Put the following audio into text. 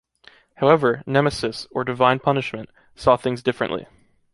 However, Nemesis, or divine punishment, saw things differently.